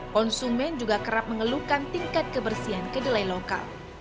konsumen juga kerap mengeluhkan tingkat kebersihan kedelai lokal